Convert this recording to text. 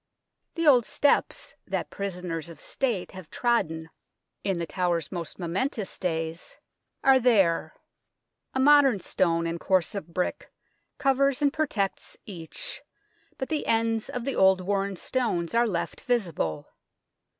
The old steps that prisoners of State have trodden in The Tower's most momentous THE TRAITORS' GATE 55 days are there. A modern stone and course of brick covers and protects each, but the ends of the old worn stones are left visible.